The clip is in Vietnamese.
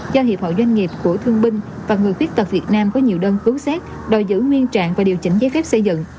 do hiệp hội doanh nghiệp của thương binh và người khuyết tật việt nam có nhiều đơn tố xét đòi giữ nguyên trạng và điều chỉnh giấy phép xây dựng